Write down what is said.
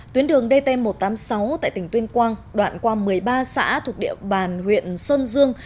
tuyến đường dt một trăm tám mươi sáu tại tỉnh tuyên quang đoạn qua một mươi ba xã thuộc địa bàn huyện sơn dương